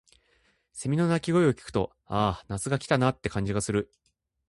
蝉の鳴き声を聞くと、「ああ、夏が来たな」って感じがする。